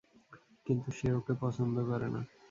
কিন্তু সে ওকে পছন্দ করে না।